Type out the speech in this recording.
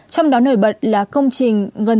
trong đó nổi bật là công trình gần dân sát việc